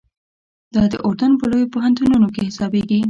دا د اردن په لویو پوهنتونو کې حسابېږي.